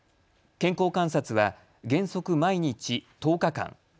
健康観察は原則毎日、１０日間。